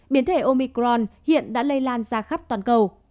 biến thể omicron hiện đã lây lan ra khắp toàn cầu